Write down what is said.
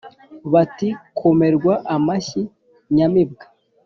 bati :« komerwa amashyi nyamibwa,